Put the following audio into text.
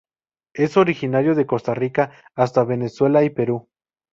Es originario de Costa Rica hasta Venezuela y Perú.